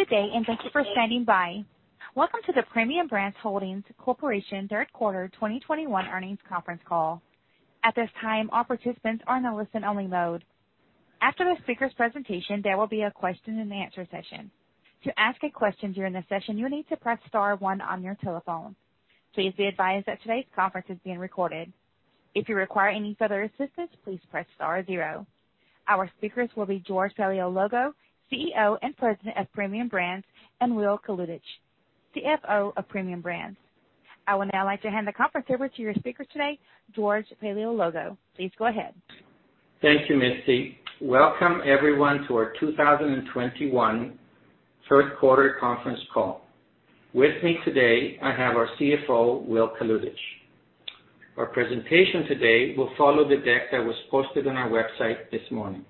Good day, and thank you for standing by. Welcome to the Premium Brands Holdings Corporation third quarter 2021 earnings conference call. At this time, all participants are in a listen-only mode. After the speaker's presentation, there will be a question-and-answer session. To ask a question during the session, you need to press star one on your telephone. Please be advised that today's conference is being recorded. If you require any further assistance, please press star zero. Our speakers will be George Paleologou, CEO and President of Premium Brands, and Will Kalutycz, CFO of Premium Brands. I would now like to hand the conference over to your speaker today, George Paleologou. Please go ahead. Thank you, Misty. Welcome everyone to our 2021 third quarter conference call. With me today, I have our CFO, Will Kalutycz. Our presentation today will follow the deck that was posted on our website this morning.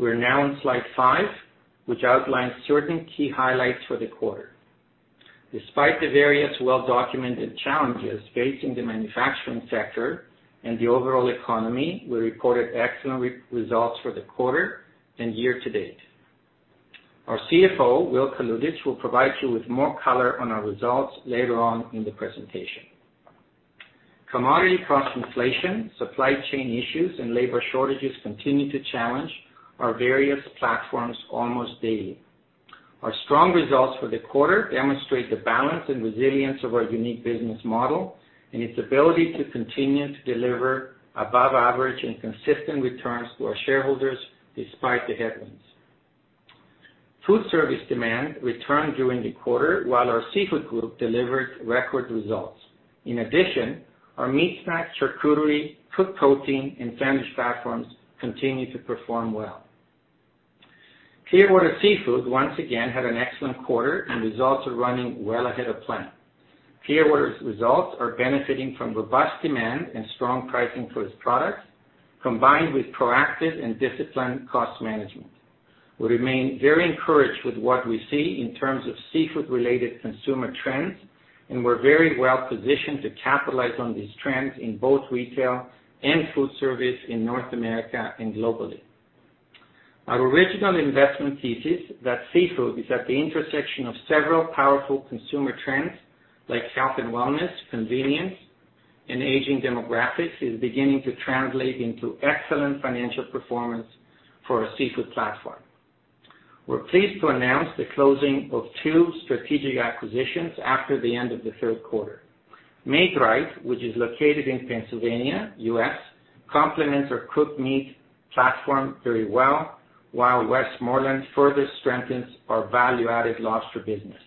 We're now on slide five, which outlines certain key highlights for the quarter. Despite the various well-documented challenges facing the manufacturing sector and the overall economy, we reported excellent results for the quarter and year-to-date. Our CFO, Will Kalutycz, will provide you with more color on our results later on in the presentation. Commodity cost inflation, supply chain issues, and labor shortages continue to challenge our various platforms almost daily. Our strong results for the quarter demonstrate the balance and resilience of our unique business model and its ability to continue to deliver above average and consistent returns to our shareholders despite the headwinds. Food service demand returned during the quarter while our seafood group delivered record results. In addition, our meat snacks, charcuterie, cooked protein, and sandwich platforms continued to perform well. Clearwater Seafoods once again had an excellent quarter, and results are running well ahead of plan. Clearwater's results are benefiting from robust demand and strong pricing for its products, combined with proactive and disciplined cost management. We remain very encouraged with what we see in terms of seafood-related consumer trends, and we're very well positioned to capitalize on these trends in both retail and food service in North America and globally. Our original investment thesis that seafood is at the intersection of several powerful consumer trends like health and wellness, convenience, and aging demographics is beginning to translate into excellent financial performance for our seafood platform. We're pleased to announce the closing of two strategic acquisitions after the end of the third quarter. Maid-Rite, which is located in Pennsylvania, U.S., complements our cooked meat platform very well, while Westmorland further strengthens our value-added lobster business.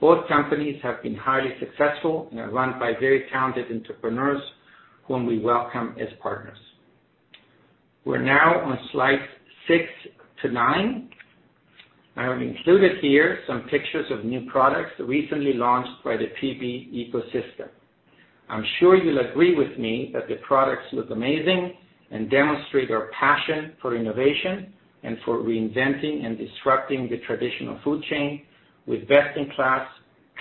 Both companies have been highly successful and are run by very talented entrepreneurs whom we welcome as partners. We're now on slide six to nine. I have included here some pictures of new products recently launched by the PB ecosystem. I'm sure you'll agree with me that the products look amazing and demonstrate our passion for innovation and for reinventing and disrupting the traditional food chain with best-in-class,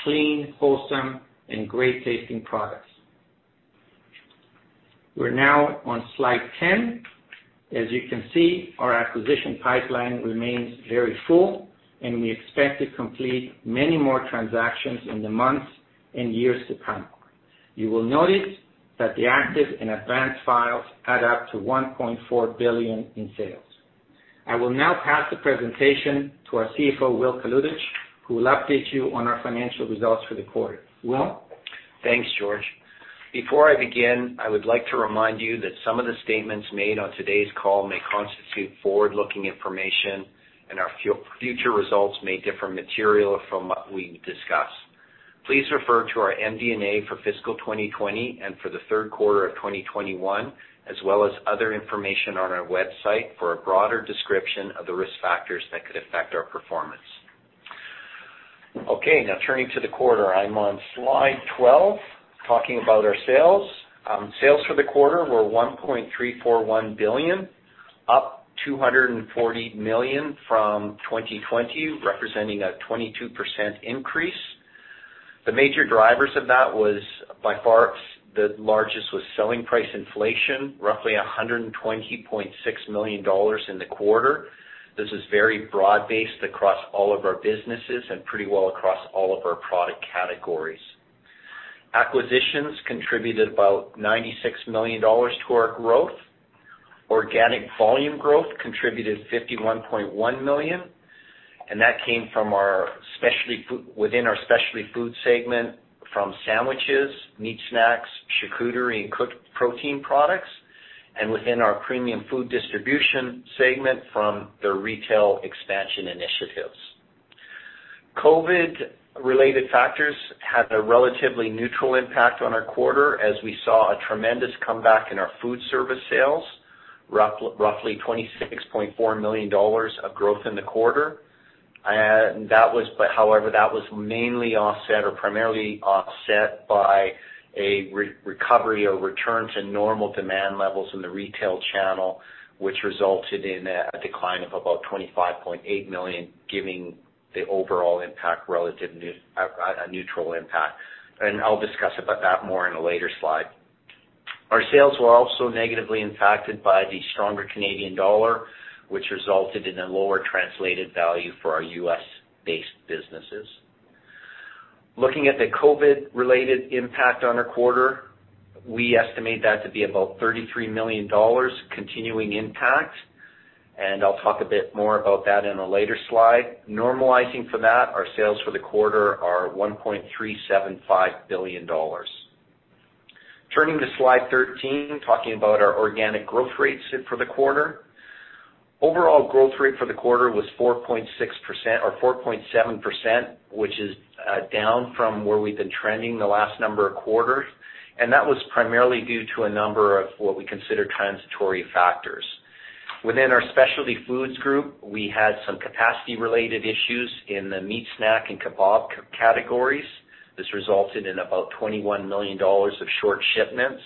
clean, wholesome, and great-tasting products. We're now on slide 10. As you can see, our acquisition pipeline remains very full, and we expect to complete many more transactions in the months and years to come. You will notice that the active and advanced files add up to 1.4 billion in sales. I will now pass the presentation to our CFO, Will Kalutycz, who will update you on our financial results for the quarter. Will? Thanks, George. Before I begin, I would like to remind you that some of the statements made on today's call may constitute forward-looking information and our future results may differ materially from what we discuss. Please refer to our MD&A for fiscal 2020 and for the third quarter of 2021, as well as other information on our website for a broader description of the risk factors that could affect our performance. Now turning to the quarter. I'm on slide 12 talking about our sales. Sales for the quarter were 1.341 billion, up 240 million from 2020, representing a 22% increase. The major drivers of that was, by far, the largest was selling price inflation, roughly 120.6 million dollars in the quarter. This is very broad-based across all of our businesses and pretty well across all of our product categories. Acquisitions contributed about 96 million dollars to our growth. Organic volume growth contributed 51.1 million, and that came from our Specialty Foods segment from sandwiches, meat snacks, charcuterie, and cooked protein products, and within our Premium Food Distribution segment from the retail expansion initiatives. COVID-related factors had a relatively neutral impact on our quarter as we saw a tremendous comeback in our food service sales, roughly 26.4 million dollars of growth in the quarter. That was mainly offset or primarily offset by a recovery or return to normal demand levels in the retail channel, which resulted in a decline of about 25.8 million, giving the overall impact a neutral impact. I'll discuss about that more in a later slide. Our sales were also negatively impacted by the stronger Canadian dollar, which resulted in a lower translated value for our U.S.-based businesses. Looking at the COVID-related impact on our quarter, we estimate that to be about 33 million dollars continuing impact, and I'll talk a bit more about that in a later slide. Normalizing for that, our sales for the quarter are 1.375 billion dollars. Turning to slide 13, talking about our organic growth rates for the quarter. Overall growth rate for the quarter was 4.6% or 4.7%, which is down from where we've been trending the last number of quarters, and that was primarily due to a number of what we consider transitory factors. Within our Specialty Foods Group, we had some capacity-related issues in the meat snack and kebab categories. This resulted in about 21 million dollars of short shipments.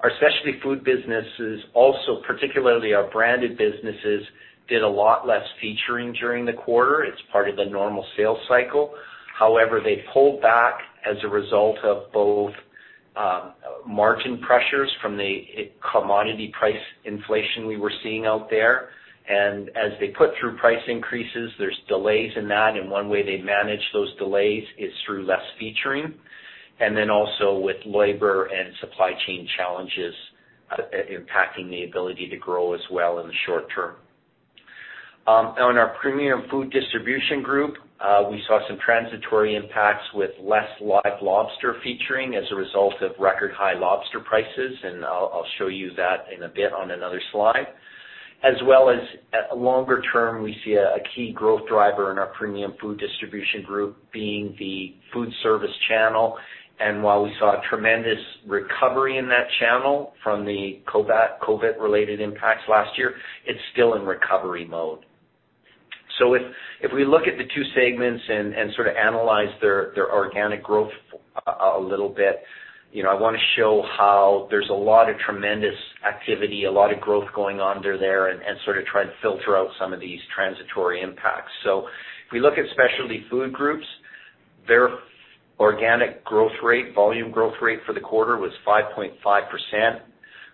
Our Specialty Foods businesses also, particularly our branded businesses, did a lot less featuring during the quarter. It's part of the normal sales cycle. However, they pulled back as a result of both, margin pressures from the commodity price inflation we were seeing out there. And as they put through price increases, there's delays in that, and one way they manage those delays is through less featuring. And then also with labor and supply chain challenges, impacting the ability to grow as well in the short term. Now in our Premium Food Distribution group, we saw some transitory impacts with less live lobster featuring as a result of record high lobster prices, and I'll show you that in a bit on another slide. As well as at longer term, we see a key growth driver in our Premium Food Distribution group being the food service channel. While we saw a tremendous recovery in that channel from the COVID-related impacts last year, it's still in recovery mode. If we look at the two segments and sort of analyze their organic growth a little bit, you know, I wanna show how there's a lot of tremendous activity, a lot of growth going on under there and sort of try to filter out some of these transitory impacts. If we look at Specialty Foods Group, their organic growth rate, volume growth rate for the quarter was 5.5%.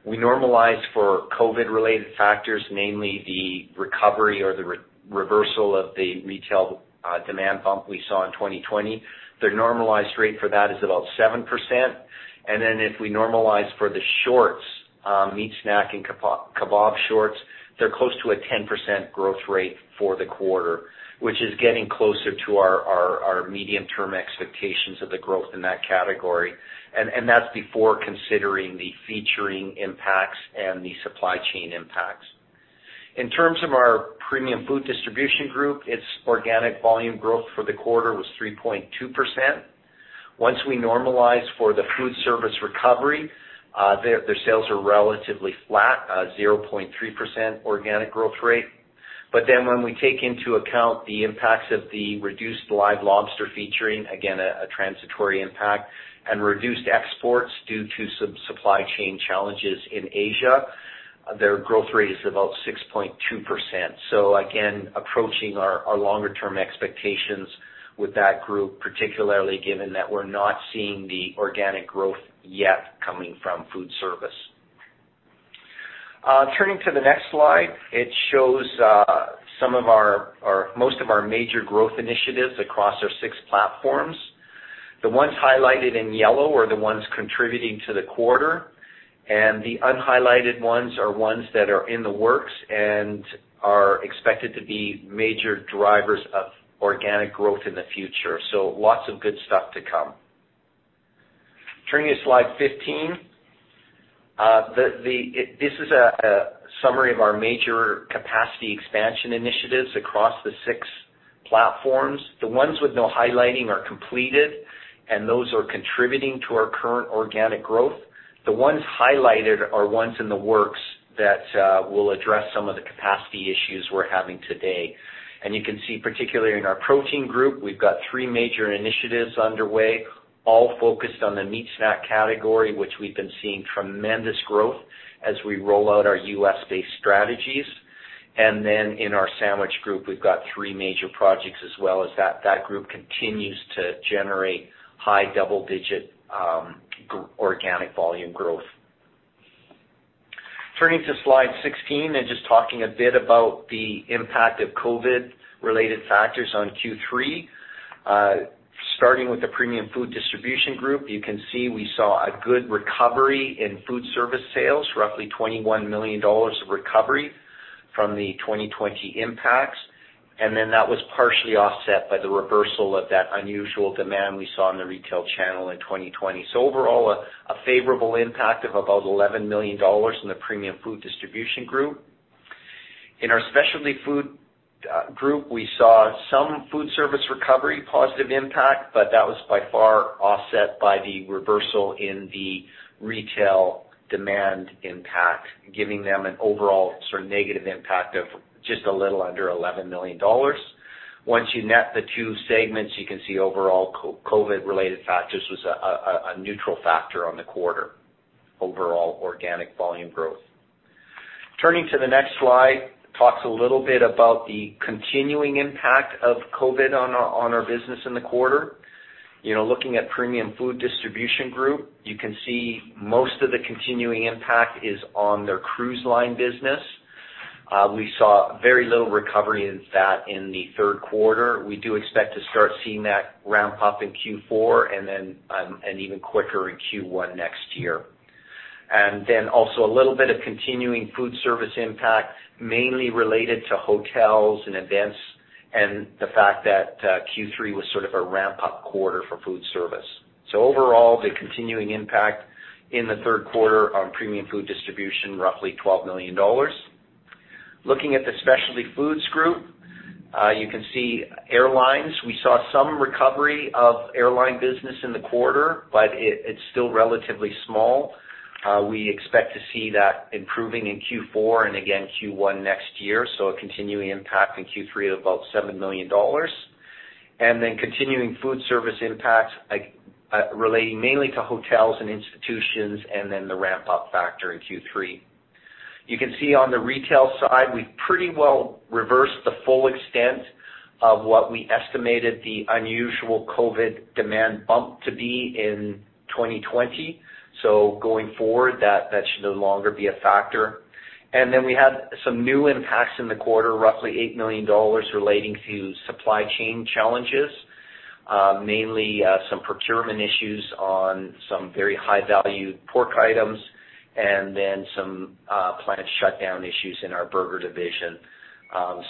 We normalized for COVID-related factors, namely the recovery or the reversal of the retail demand bump we saw in 2020. The normalized rate for that is about 7%. And then if we normalize for the shorts, meat snack and kebab shorts, they're close to a 10% growth rate for the quarter, which is getting closer to our medium-term expectations of the growth in that category. That's before considering the weathering impacts and the supply chain impacts. In terms of our Premium Food Distribution group, its organic volume growth for the quarter was 3.2%. Once we normalize for the food service recovery, their sales are relatively flat, 0.3% organic growth rate. But then when we take into account the impacts of the reduced live lobster featuring, again, a transitory impact, and reduced exports due to some supply chain challenges in Asia, their growth rate is about 6.2%. So again, approaching our longer term expectations with that group, particularly given that we're not seeing the organic growth yet coming from food service. Turning to the next slide, it shows most of our major growth initiatives across our six platforms. The ones highlighted in yellow are the ones contributing to the quarter, and the unhighlighted ones are ones that are in the works and are expected to be major drivers of organic growth in the future. So lots of good stuff to come. Turning to slide 15, this is a summary of our major capacity expansion initiatives across the six platforms. The ones with no highlighting are completed, and those are contributing to our current organic growth. The ones highlighted are ones in the works that will address some of the capacity issues we're having today. And you can see, particularly in our protein group, we've got three major initiatives underway, all focused on the meat snack category, which we've been seeing tremendous growth as we roll out our U.S.-based strategies. And then in our sandwich group, we've got three major projects as well as that group continues to generate high double-digit organic volume growth. Turning to slide 16 and just talking a bit about the impact of COVID-related factors on Q3. Starting with the Premium Food Distribution group, you can see we saw a good recovery in food service sales, roughly 21 million dollars of recovery from the 2020 impacts. That was partially offset by the reversal of that unusual demand we saw in the retail channel in 2020. So overall, a favorable impact of about 11 million dollars in the Premium Food Distribution group. In our Specialty Foods group, we saw some food service recovery positive impact, but that was more than offset by the reversal in the retail demand impact, giving them an overall sort of negative impact of just a little under 11 million dollars. Once you net the two segments, you can see overall COVID-related factors was a neutral factor on the quarter overall organic volume growth. Turning to the next slide, it talks a little bit about the continuing impact of COVID on our business in the quarter. You know, looking at Premium Food Distribution group, you can see most of the continuing impact is on their cruise line business. We saw very little recovery in that in the third quarter. We do expect to start seeing that ramp up in Q4 and then even quicker in Q1 next year. And then also a little bit of continuing food service impact, mainly related to hotels and events, and the fact that Q3 was sort of a ramp-up quarter for food service. Overall, the continuing impact in the third quarter on Premium Food Distribution, roughly 12 million dollars. Looking at the Specialty Foods Group, you can see airlines. We saw some recovery of airline business in the quarter, but it's still relatively small. We expect to see that improving in Q4 and again Q1 next year, a continuing impact in Q3 of about 7 million dollars. Then continuing food service impacts, like, relating mainly to hotels and institutions and then the ramp-up factor in Q3. You can see on the retail side, we've pretty well reversed the full extent of what we estimated the unusual COVID demand bump to be in 2020. So going forward, that should no longer be a factor. We had some new impacts in the quarter, roughly 8 million dollars relating to supply chain challenges, mainly some procurement issues on some very high-value pork items and then some plant shutdown issues in our burger division.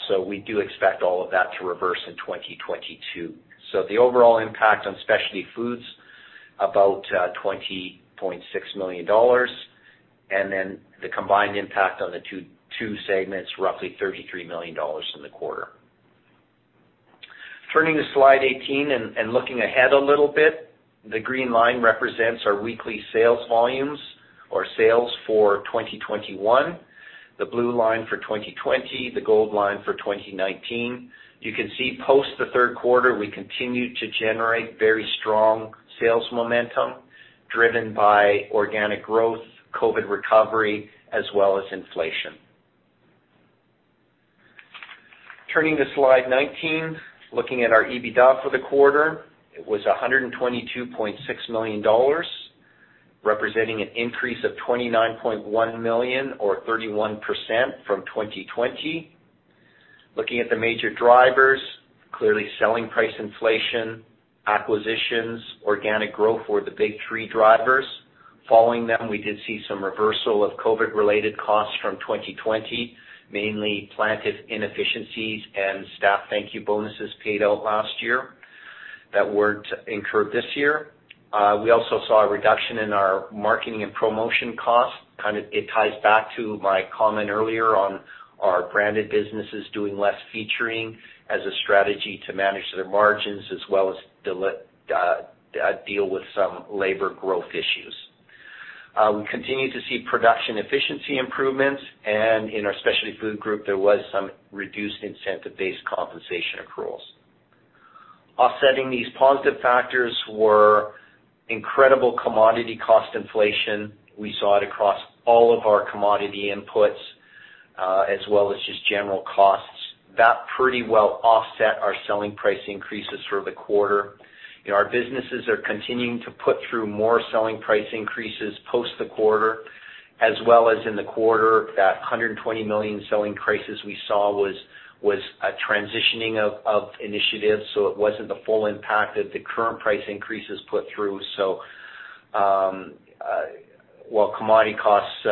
So we do expect all of that to reverse in 2022. So the overall impact on Specialty Foods, about 20.6 million dollars. The combined impact on the two segments, roughly 33 million dollars in the quarter. Turning to slide 18 and looking ahead a little bit, the green line represents our weekly sales volumes or sales for 2021, the blue line for 2020, the gold line for 2019. You can see post the third quarter, we continued to generate very strong sales momentum driven by organic growth, COVID recovery, as well as inflation. Turning to slide 19, looking at our EBITDA for the quarter, it was 122.6 million dollars, representing an increase of 29.1 million or 31% from 2020. Looking at the major drivers, clearly selling price inflation, acquisitions, organic growth were the big three drivers. Following them, we did see some reversal of COVID-related costs from 2020, mainly plant inefficiencies and staff thank you bonuses paid out last year that weren't incurred this year. We also saw a reduction in our marketing and promotion costs. It ties back to my comment earlier on our branded businesses doing less featuring as a strategy to manage their margins, as well as deal with some labor growth issues. We continue to see production efficiency improvements. In our Specialty Foods Group, there was some reduced incentive-based compensation accruals. Offsetting these positive factors were incredible commodity cost inflation. We saw it across all of our commodity inputs, as well as just general costs. That pretty well offset our selling price increases for the quarter. You know, our businesses are continuing to put through more selling price increases post the quarter, as well as in the quarter. That 120 million selling prices we saw was a transitioning of initiatives, so it wasn't the full impact of the current price increases put through. While commodity costs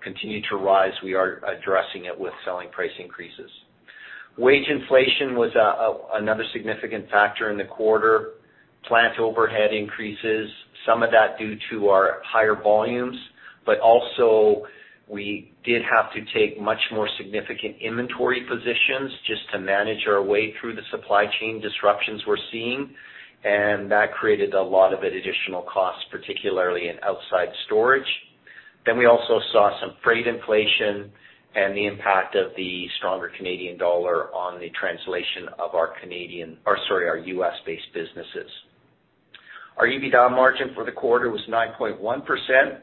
continue to rise, we are addressing it with selling price increases. Wage inflation was another significant factor in the quarter. Plant overhead increases, some of that due to our higher volumes, but also we did have to take much more significant inventory positions just to manage our way through the supply chain disruptions we're seeing. And that created a lot of additional costs, particularly in outside storage. And we also saw some freight inflation and the impact of the stronger Canadian dollar on the translation of our U.S.-based businesses. Our EBITDA margin for the quarter was 9.1%,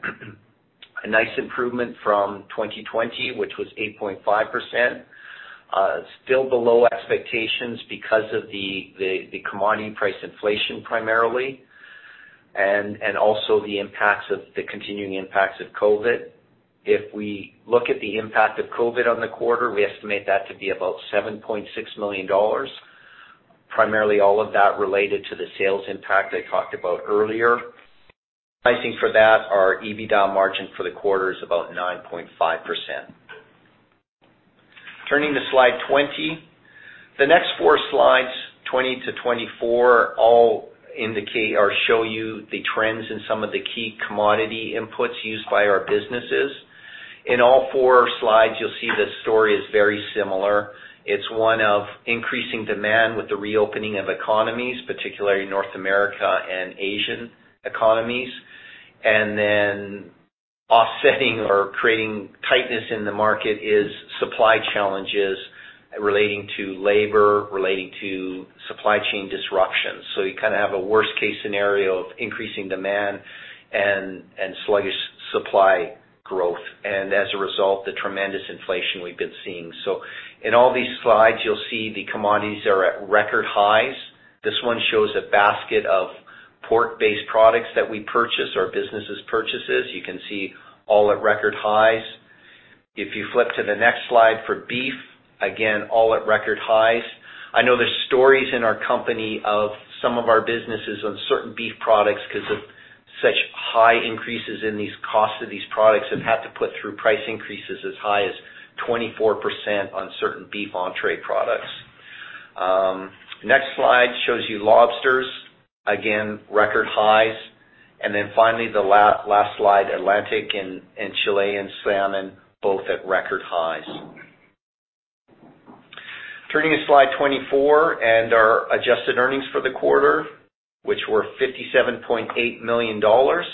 a nice improvement from 2020, which was 8.5%. It's still below expectations because of the commodity price inflation primarily and also the impacts of the continuing impacts of COVID. If we look at the impact of COVID on the quarter, we estimate that to be about 7.6 million dollars, primarily all of that related to the sales impact I talked about earlier. Pricing for that, our EBITDA margin for the quarter is about 9.5%. Turning to slide 20. The next four slides, 20 to 24, all indicate or show you the trends in some of the key commodity inputs used by our businesses. In all four slides, you'll see the story is very similar. It's one of increasing demand with the reopening of economies, particularly North America and Asian economies. And then offset or creating tightness in the market is supply challenges relating to labor, relating to supply chain disruptions. So you kind of have a worst case scenario of increasing demand and sluggish supply growth, and as a result, the tremendous inflation we've been seeing. In all these slides, you'll see the commodities are at record highs. This one shows a basket of pork-based products that we purchase or businesses purchases. You can see all at record highs. If you flip to the next slide for beef, again, all at record highs. I know there's stories in our company of some of our businesses on certain beef products because of such high increases in these costs of these products have had to put through price increases as high as 24% on certain beef entree products. Next slide shows you lobsters. Again, record highs. Then finally, the last slide, Atlantic and Chilean salmon, both at record highs. Turning to slide 24 and our adjusted earnings for the quarter, which were 57.8 million dollars,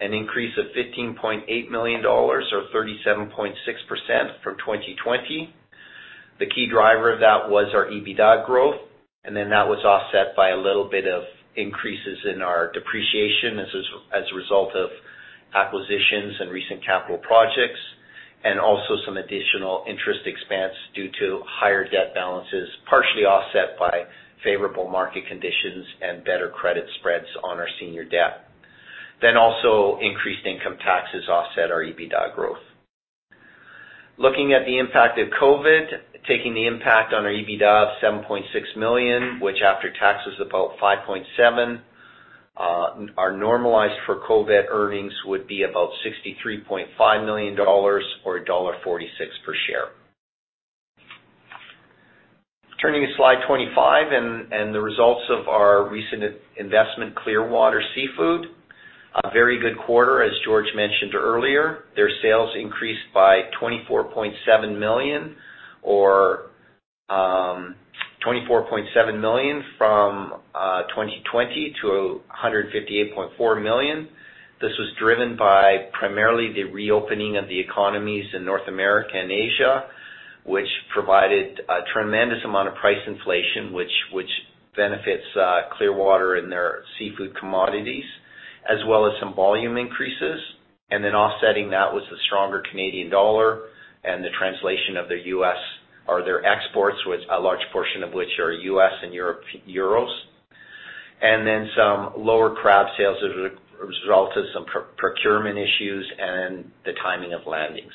an increase of 15.8 million dollars, or 37.6% from 2020. The key driver of that was our EBITDA growth, and then that was offset by a little bit of increases in our depreciation as a result of acquisitions and recent capital projects, and also some additional interest expense due to higher debt balances, partially offset by favorable market conditions and better credit spreads on our senior debt. Increased income taxes offset our EBITDA growth. Looking at the impact of COVID, taking the impact on our EBITDA of 7.6 million, which after tax was about 5.7 million, our normalized for COVID earnings would be about 63.5 million dollars or dollar 1.46 per share. Turning to slide 25 and the results of our recent investment, Clearwater Seafood. A very good quarter, as George mentioned earlier. Their sales increased by 24.7 million from 2020 to 158.4 million. This was driven by primarily the reopening of the economies in North America and Asia, which provided a tremendous amount of price inflation, which benefits Clearwater in their seafood commodities, as well as some volume increases. Offsetting that was the stronger Canadian dollar and the translation of their USD or their exports, with a large portion of which are USD and Europe, euros. And then some lower crab sales as a result of some procurement issues and the timing of landings.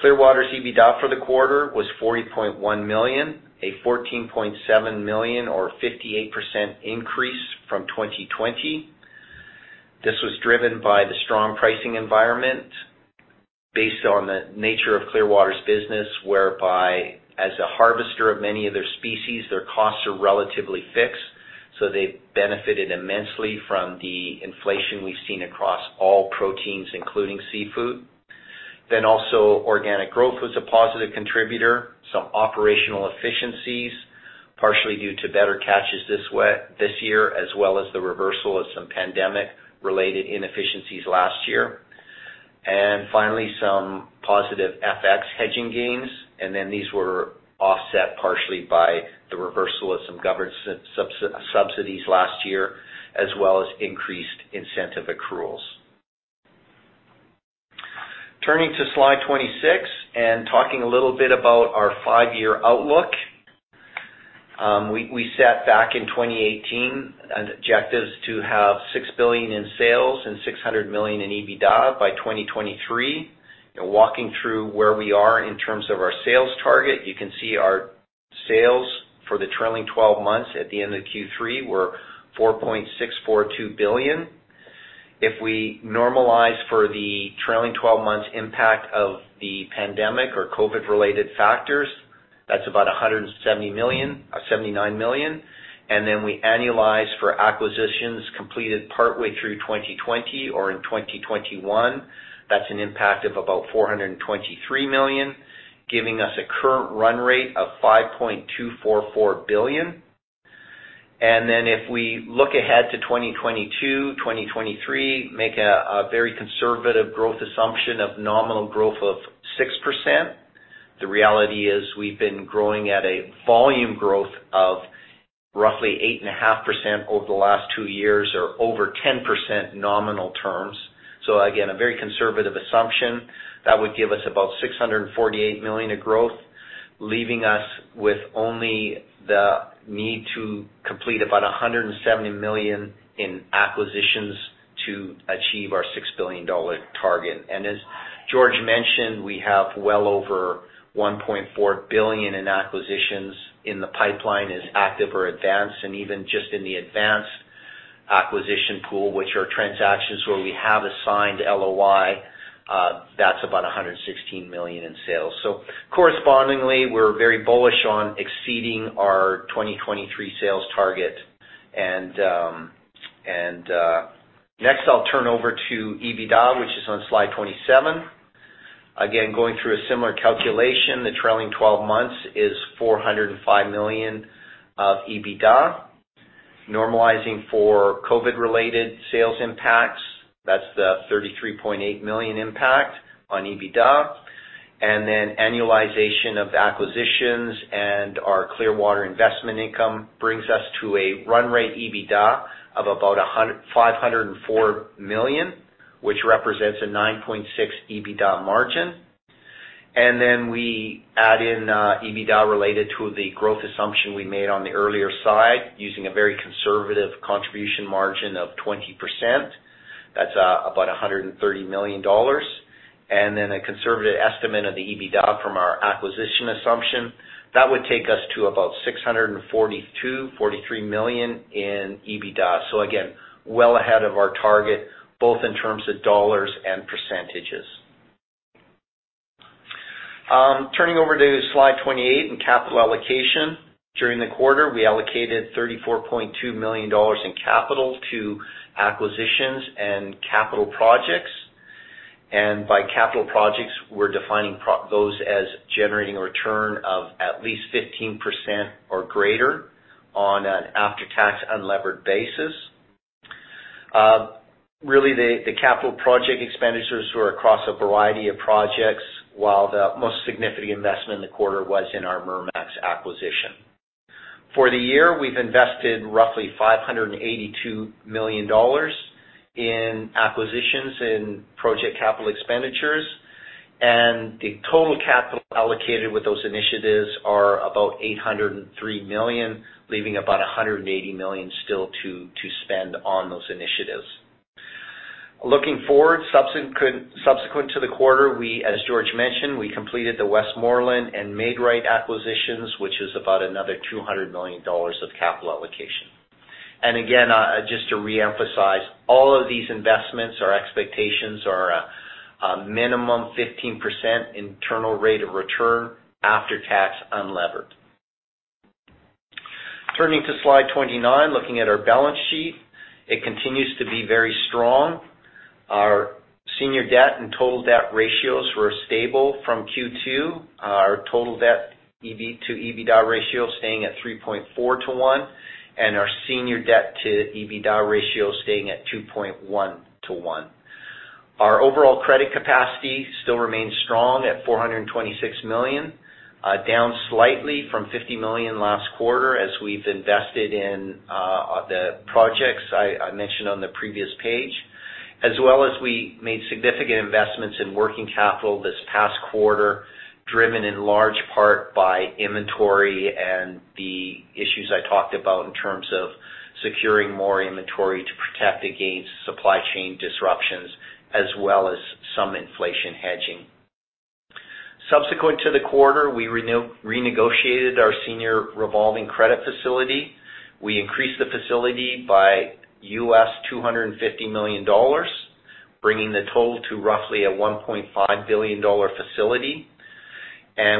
Clearwater's EBITDA for the quarter was 40.1 million, a 14.7 million or 58% increase from 2020. This was driven by the strong pricing environment based on the nature of Clearwater's business, whereby as a harvester of many of their species, their costs are relatively fixed, so they benefited immensely from the inflation we've seen across all proteins, including seafood. Then also, organic growth was a positive contributor. Some operational efficiencies, partially due to better catches this year, as well as the reversal of some pandemic-related inefficiencies last year. And finally, some positive FX hedging gains. These were offset partially by the reversal of some government subsidies last year, as well as increased incentive accruals. Turning to slide 26 and talking a little bit about our five-year outlook. We set back in 2018 an objectives to have 6 billion in sales and 600 million in EBITDA by 2023. Walking through where we are in terms of our sales target, you can see our sales for the trailing 12 months at the end of Q3 were 4.642 billion. If we normalize for the trailing 12 months impact of the pandemic or COVID-related factors, that's about 179 million. We annualize for acquisitions completed partway through 2020 or in 2021. That's an impact of about 423 million, giving us a current run rate of 5.244 billion. If we look ahead to 2022, 2023, make a very conservative growth assumption of nominal growth of 6%. The reality is we've been growing at a volume growth of roughly 8.5% over the last two years or over 10% nominal terms. So again, a very conservative assumption that would give us about 648 million of growth, leaving us with only the need to complete about 170 million in acquisitions to achieve our 6 billion dollar target. And then, George mentioned, we have well over 1.4 billion in acquisitions in the pipeline as active or advanced, and even just in the advanced acquisition pool, which are transactions where we have a signed LOI, that's about 116 million in sales. Correspondingly, we're very bullish on exceeding our 2023 sales target. Next I'll turn over to EBITDA, which is on slide 27. Again, going through a similar calculation, the trailing 12 months is 405 million of EBITDA. Normalizing for COVID related sales impacts, that's the 33.8 million impact on EBITDA. And then annualization of acquisitions and our Clearwater investment income brings us to a run rate EBITDA of about 504 million, which represents a 9.6% EBITDA margin. We add in EBITDA related to the growth assumption we made on the earlier side, using a very conservative contribution margin of 20%. That's about 130 million dollars. A conservative estimate of the EBITDA from our acquisition assumption, that would take us to about 642 million-643 million in EBITDA. Again, well ahead of our target, both in terms of dollars and percentages. Turning over to slide 28 in capital allocation. During the quarter, we allocated 34.2 million dollars in capital to acquisitions and capital projects. By capital projects, we're defining those as generating a return of at least 15% or greater on an after-tax unlevered basis. Really, the capital project expenditures were across a variety of projects, while the most significant investment in the quarter was in our Mermax acquisition. For the year, we've invested roughly 582 million dollars in acquisitions in project capital expenditures, and the total capital allocated with those initiatives are about 803 million, leaving about 180 million still to spend on those initiatives. Looking forward, subsequent to the quarter, we, as George mentioned, completed the Westmorland and Maid-Rite acquisitions, which is about another 200 million dollars of capital allocation. Again, just to reemphasize all of these investments, our expectations are a minimum 15% internal rate of return after tax unlevered. Turning to slide 29, looking at our balance sheet, it continues to be very strong. Our senior debt and total debt ratios were stable from Q2. Our total debt to EBITDA ratio staying at 3.4 to one, and our senior debt to EBITDA ratio staying at 2.1 to one. Our overall credit capacity still remains strong at 426 million, down slightly from 50 million last quarter as we've invested in the projects I mentioned on the previous page, as well as we made significant investments in working capital this past quarter, driven in large part by inventory and the issues I talked about in terms of securing more inventory to protect against supply chain disruptions, as well as some inflation hedging. Subsequent to the quarter, we renegotiated our senior revolving credit facility. We increased the facility by $250 million, bringing the total to roughly a $1.5 billion facility.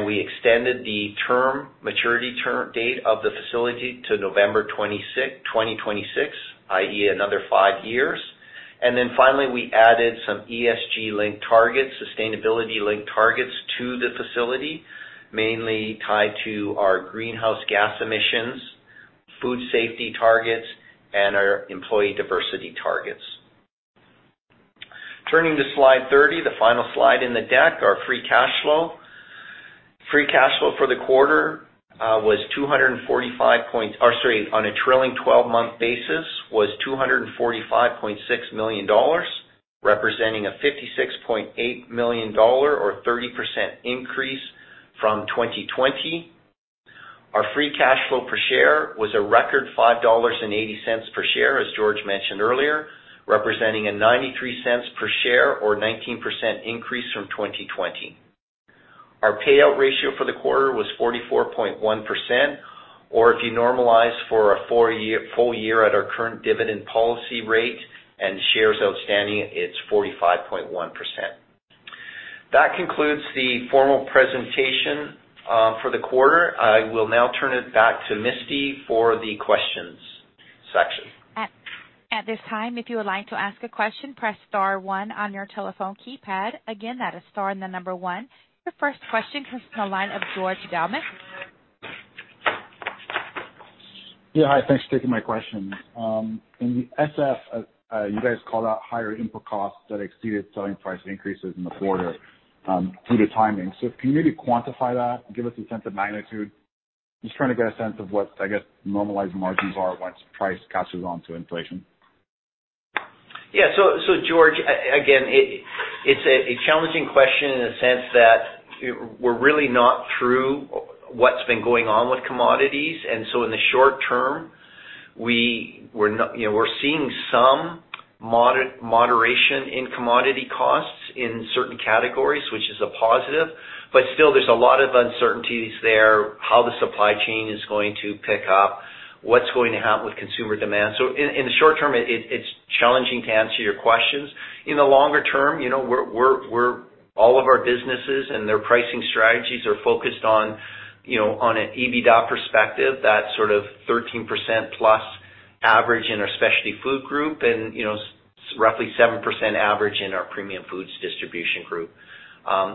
We extended the maturity term date of the facility to November 2026, i.e. another five years. We added some ESG-linked targets, sustainability-linked targets to the facility, mainly tied to our greenhouse gas emissions, food safety targets, and our employee diversity targets. Turning to slide 30, the final slide in the deck, our free cash flow. Free cash flow for the quarter on a trailing 12-month basis was 245.6 million dollars, representing a 56.8 million dollar or 30% increase from 2020. Our free cash flow per share was a record 5.80 dollars per share, as George mentioned earlier, representing a 0.93 per share or 19% increase from 2020. Our payout ratio for the quarter was 44.1%, or if you normalize for a full year at our current dividend policy rate and shares outstanding, it's 45.1%. That concludes the formal presentation for the quarter. I will now turn it back to Misty for the questions section. At this time, if you would like to ask a question, press star one on your telephone keypad. Again, that is star and the number one. Your first question comes from the line of George Doumet. Yeah, hi. Thanks for taking my question. In the SF, you guys called out higher input costs that exceeded selling price increases in the quarter, due to timing. Can you maybe quantify that and give us a sense of magnitude? Just trying to get a sense of what, I guess, normalized margins are once price catches on to inflation. Yeah. George, again, it's a challenging question in the sense that we're really not through what's been going on with commodities. And so in the short term, you know, we're seeing some moderation in commodity costs in certain categories, which is a positive, but still there's a lot of uncertainties there, how the supply chain is going to pick up, what's going to happen with consumer demand. So in the short term, it's challenging to answer your questions. In the longer term, you know, we're all of our businesses and their pricing strategies are focused on, you know, on an EBITDA perspective, that sort of +13% average in our Specialty Foods Group and, you know, roughly 7% average in our Premium Foods Distribution.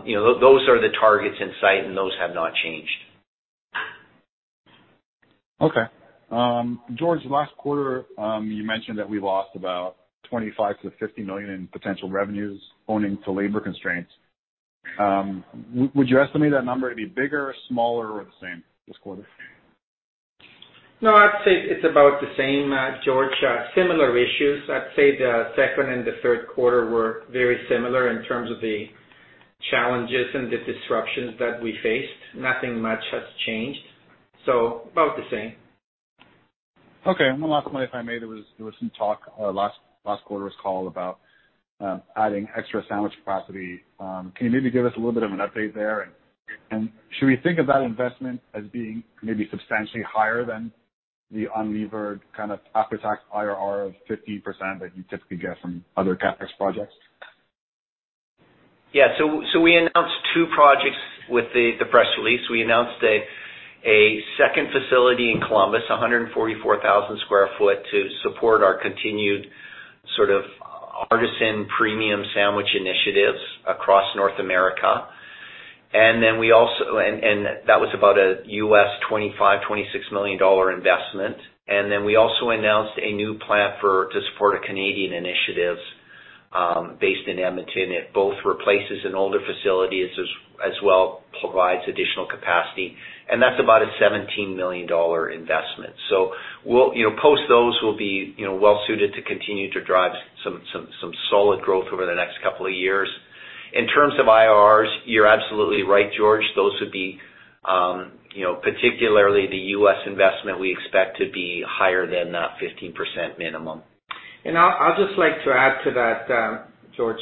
You know, those are the targets in sight, and those have not changed. Okay. George, last quarter, you mentioned that we lost about 25 million-50 million in potential revenues owing to labor constraints. Would you estimate that number to be bigger or smaller or the same this quarter? No, I'd say it's about the same, George. Similar issues. I'd say the second and the third quarter were very similar in terms of the challenges and the disruptions that we faced. Nothing much has changed. So about the same. Okay. One last point, if I may. There was some talk last quarter's call about adding extra sandwich capacity. Can you maybe give us a little bit of an update there? Should we think of that investment as being maybe substantially higher than the unlevered kind of after-tax IRR of 15% that you typically get from other CapEx projects? Yeah, we announced two projects with the press release. We announced a second facility in Columbus, a 144,000 sq ft, to support our continued sort of artisan premium sandwich initiatives across North America. That was about a $25 million-$26 million investment. We also announced a new plant to support Canadian initiatives based in Edmonton. It both replaces an older facility as well provides additional capacity, and that's about a 17 million dollar investment. So we'll post those. We'll be well suited to continue to drive some solid growth over the next couple of years. In terms of IRRs, you're absolutely right, George. Those would be, you know, particularly the US investment we expect to be higher than that 15% minimum. I'll just like to add to that, George,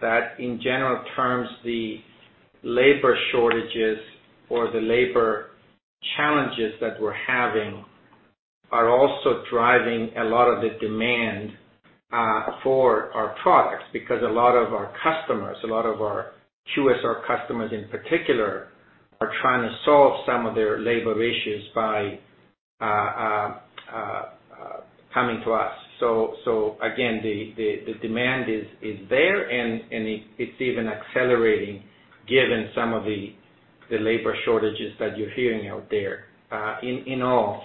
that in general terms, the labor shortages or the labor challenges that we're having are also driving a lot of the demand for our products because a lot of our customers, a lot of our QSR customers in particular, are trying to solve some of their labor issues by coming to us. So again, the demand is there and it's even accelerating given some of the labor shortages that you're hearing out there in all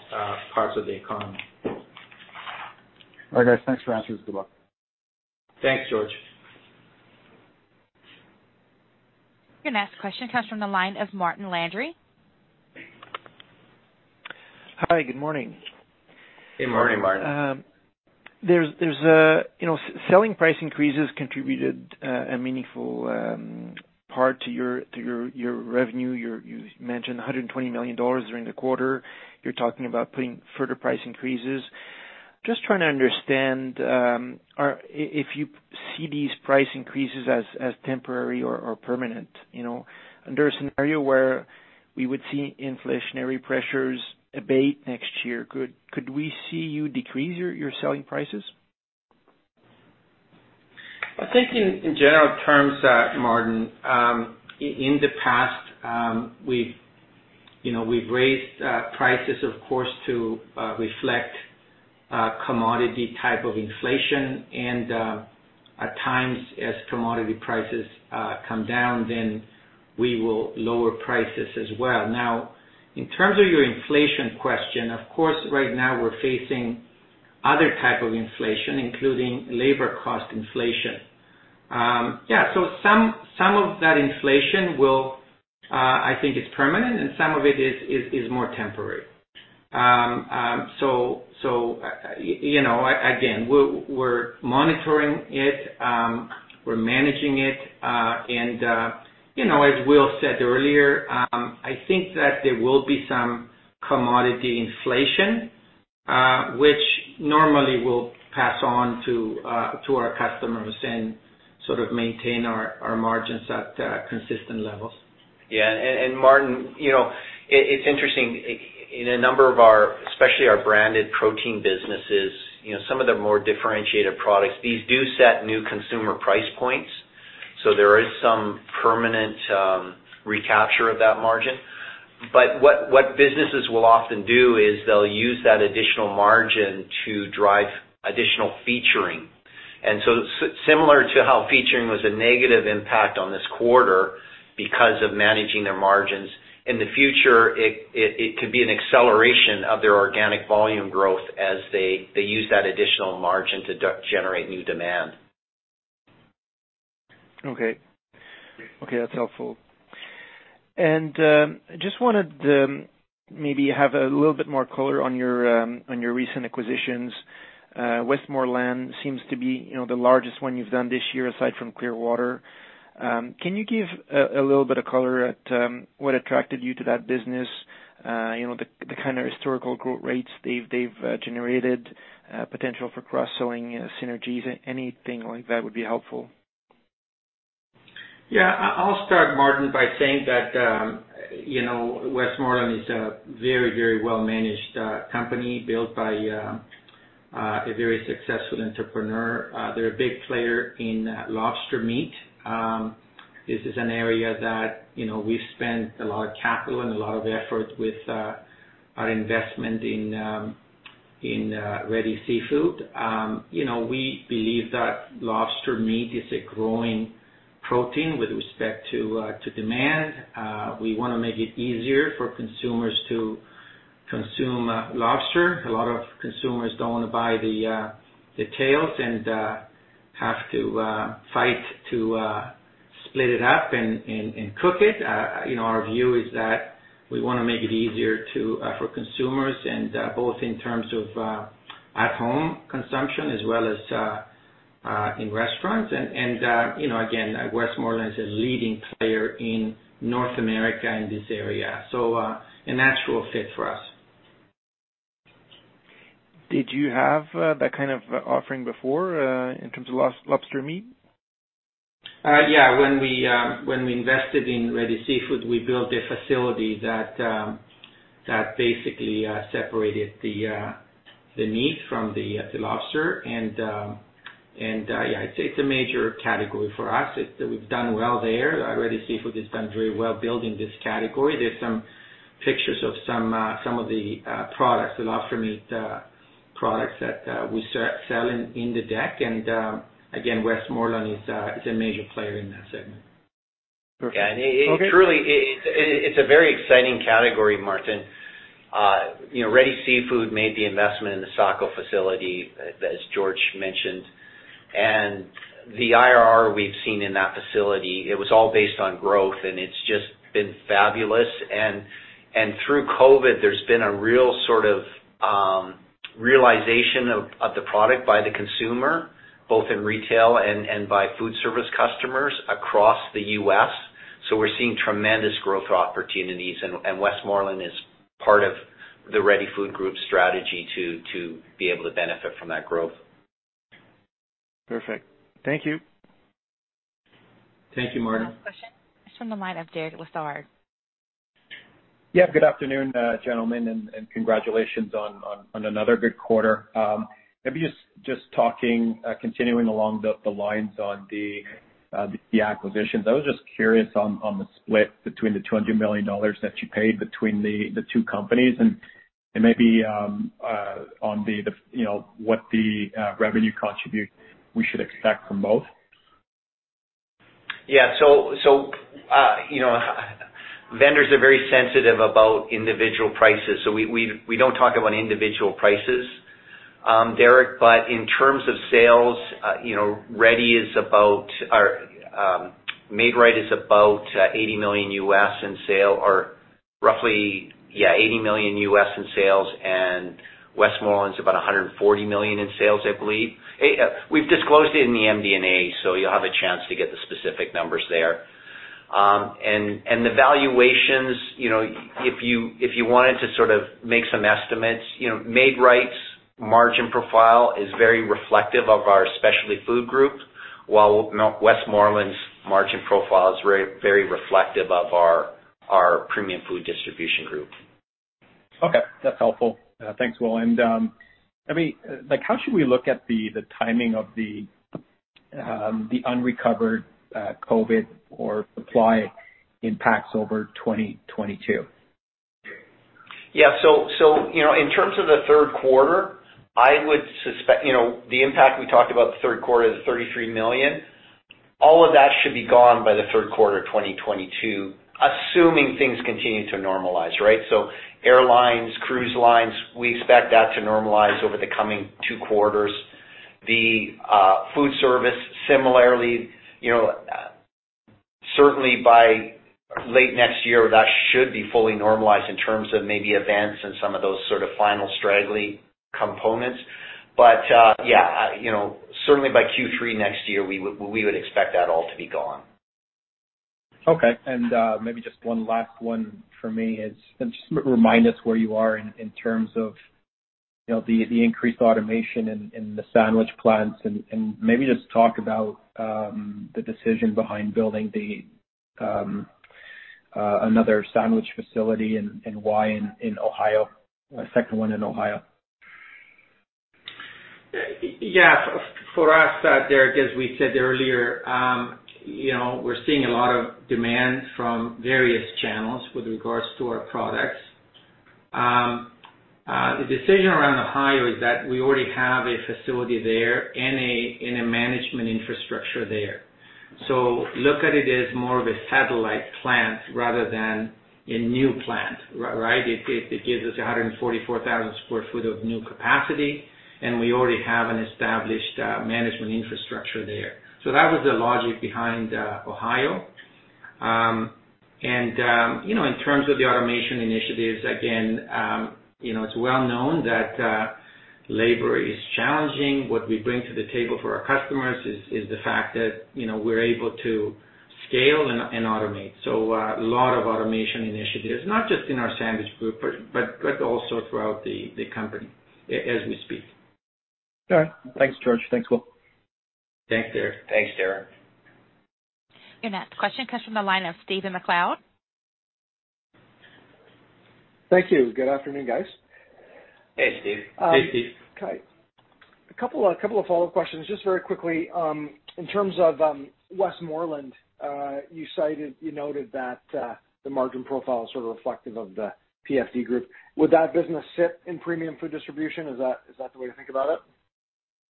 parts of the economy. All right, guys. Thanks for the answers. Good luck. Thanks, George. Your next question comes from the line of Martin Landry. Hi. Good morning. Morning, Martin. There's you know, selling price increases contributed a meaningful part to your revenue. You mentioned 120 million dollars during the quarter. You're talking about putting further price increases. Just trying to understand, if you see these price increases as temporary or permanent, you know? Under a scenario where we would see inflationary pressures abate next year, could we see you decrease your selling prices? I think in general terms, Martin, in the past, we've you know raised prices, of course, to reflect commodity type of inflation. At times as commodity prices come down, then we will lower prices as well. Now, in terms of your inflation question, of course, right now we're facing other type of inflation, including labor cost inflation. Yeah, so some of that inflation will I think is permanent and some of it is more temporary. You know again we're monitoring it, we're managing it and you know as Will said earlier I think that there will be some commodity inflation which normally will pass on to our customers and sort of maintain our margins at consistent levels. Yeah, and Martin, you know, it's interesting. In a number of our, especially our branded protein businesses, you know, some of the more differentiated products, these do set new consumer price points. There is some permanent recapture of that margin. What businesses will often do is they'll use that additional margin to drive additional featuring. And so similar to how featuring was a negative impact on this quarter because of managing their margins, in the future, it could be an acceleration of their organic volume growth as they use that additional margin to generate new demand. Okay. Okay, that's helpful. And just wanted maybe have a little bit more color on your recent acquisitions. Westmorland seems to be, you know, the largest one you've done this year aside from Clearwater. Can you give a little bit of color on what attracted you to that business? You know, the kind of historical growth rates they've generated, potential for cross-selling synergies. Anything like that would be helpful. Yeah. I'll start, Martin, by saying that, you know, Westmorland is a very, very well-managed company built by a very successful entrepreneur. They're a big player in lobster meat. This is an area that, you know, we've spent a lot of capital and a lot of effort with our investment in Ready Seafood. You know, we believe that lobster meat is a growing protein with respect to the demand. We wanna make it easier for consumers to consume lobster. A lot of consumers don't wanna buy the tails and have to fight to split it up and cook it. You know, our view is that we wanna make it easier for consumers and both in terms of at home consumption as well as in restaurants. And you know, again, Westmorland is a leading player in North America in this area, so a natural fit for us. Did you have that kind of offering before in terms of lobster meat? Yeah. When we invested in Ready Seafood, we built a facility that basically separated the meat from the lobster. And yeah, it's a major category for us. It's. We've done well there. Ready Seafood has done very well building this category. There's some pictures of some of the products, the lobster meat products that we sell in the deck. Again, Westmorland is a major player in that segment. Perfect. Okay. Yeah. It truly it's a very exciting category, Martin. You know, Ready Seafood made the investment in the Saco facility, as George mentioned. The IRR we've seen in that facility, it was all based on growth, and it's just been fabulous. Through COVID, there's been a real sort of realization of the product by the consumer, both in retail and by food service customers across the U.S. We're seeing tremendous growth opportunities, Westmorland is part of the Ready Food Group strategy to be able to benefit from that growth. Perfect. Thank you. Thank you, Martin. Next question comes from the line of Derek Lessard. Yeah. Good afternoon, gentlemen, and congratulations on another good quarter. Maybe just talking, continuing along the lines on the acquisitions. I was just curious on the split between the 200 million dollars that you paid between the two companies, and maybe on the, you know, what the revenue contribution we should expect from both. Yeah. You know, vendors are very sensitive about individual prices, so we don't talk about individual prices, Derek. In terms of sales, you know, Ready is about $80 million in sales, and Westmorland is about 140 million in sales, I believe. We've disclosed it in the MD&A, so you'll have a chance to get the specific numbers there. The valuations, you know, if you wanted to sort of make some estimates, you know, Maid-Rite's margin profile is very reflective of our Specialty Foods Group, while Westmorland's margin profile is very reflective of our Premium Food Distribution Group. Okay. That's helpful. Thanks, Will. Maybe, like, how should we look at the timing of the unrecovered COVID or supply impacts over 2022? Yeah. You know, in terms of the third quarter, I would suspect. You know, the impact we talked about the third quarter is 33 million. All of that should be gone by the third quarter of 2022, assuming things continue to normalize, right? So, airlines, cruise lines, we expect that to normalize over the coming two quarters. The food service, similarly, you know, certainly by late next year, that should be fully normalized in terms of maybe events and some of those sort of final straggly components. But, yeah, you know, certainly by Q3 next year, we would expect that all to be gone. Okay. Maybe just one last one for me is, just remind us where you are in terms of, you know, the increased automation in the sandwich plants. Maybe just talk about the decision behind building another sandwich facility and why in Ohio, a second one in Ohio. Yes. For us, Derek, as we said earlier, you know, we're seeing a lot of demand from various channels with regards to our products. The decision around Ohio is that we already have a facility there and a management infrastructure there. Look at it as more of a satellite plant rather than a new plant, right? It gives us 144,000 sq ft of new capacity, and we already have an established management infrastructure there. That was the logic behind Ohio. And, you know, in terms of the automation initiatives, again, you know, it's well known that labor is challenging. What we bring to the table for our customers is the fact that, you know, we're able to scale and automate. A lot of automation initiatives, not just in our sandwich group but also throughout the company as we speak. All right. Thanks, George. Thanks, Will. Thanks, Derek. Thanks, Derek. Your next question comes from the line of Stephen MacLeod. Thank you. Good afternoon, guys. Hey, Stephen. Hey, Steve. A couple of follow-up questions. Just very quickly, in terms of Westmorland, you noted that the margin profile is sort of reflective of the PFD group. Would that business sit in Premium Food Distribution? Is that the way to think about it?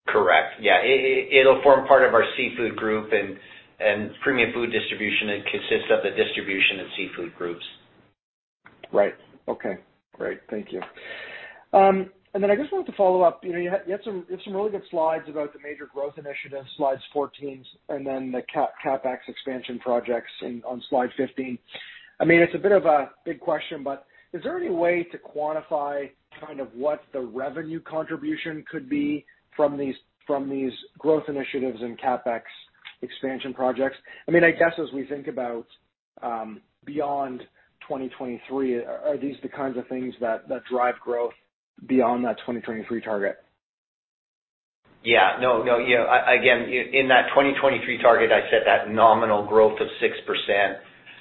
Correct. Yeah. It'll form part of our Seafood Group and Premium Food Distribution. It consists of the Distribution and Seafood Groups. Right. Okay. Great. Thank you. I just wanted to follow up. You know, you had some really good slides about the major growth initiatives, slide 14, and then the CapEx expansion projects on slide 15. I mean, it's a bit of a big question, but is there any way to quantify kind of what the revenue contribution could be from these growth initiatives and CapEx expansion projects? I mean, I guess as we think about beyond 2023, are these the kinds of things that drive growth beyond that 2023 target? Yeah. No, yeah. Again, in that 2023 target I set that nominal growth of 6%.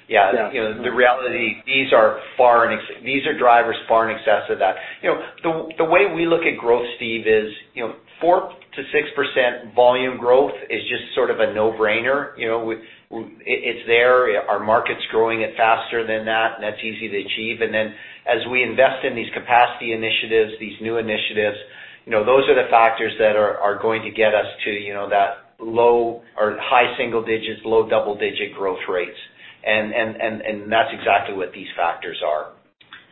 Yeah. Yeah. You know, the reality, these are drivers far in excess of that. You know, the way we look at growth, Steve, is, you know, 4%-6% volume growth is just sort of a no-brainer, you know, with. It's there. Our market's growing at faster than that, and that's easy to achieve. As we invest in these capacity initiatives, these new initiatives, you know, those are the factors that are going to get us to, you know, that low- or high-single-digit, low-double-digit growth rates. That's exactly what these factors are.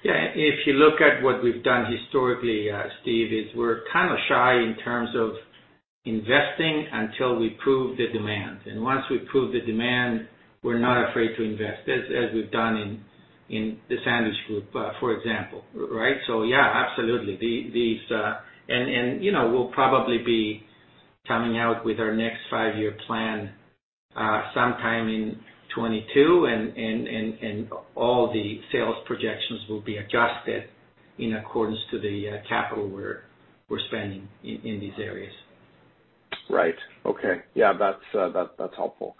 Yeah. If you look at what we've done historically, Stephen, is we're kind of shy in terms of investing until we prove the demand. Once we prove the demand, we're not afraid to invest, as we've done in the sandwich group, for example, right? Yeah, absolutely. These, you know, we'll probably be coming out with our next five-year plan sometime in 2022, and all the sales projections will be adjusted in accordance to the capital we're spending in these areas. Right. Okay. Yeah, that's helpful.